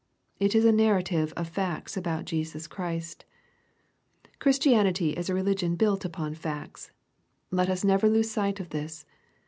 '' It is a narrative of facts about Jesus Christ. Christianity is a religion built upon facts. Let us never lose sight of this.